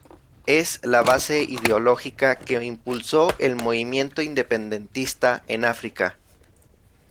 Es la base ideológica que impulsó el movimiento independentista en África.